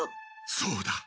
そうだ。